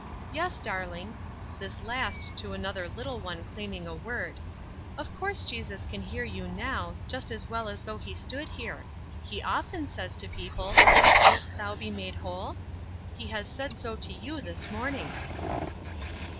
Yes, darling," this last to another little one claiming a word, "of course Jesus can hear you now, just as well as though He stood here. He often says to people, 'Wilt thou be made whole?' He has said so to you this morning."